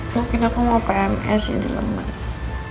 mungkin aku mau pms jadi lemas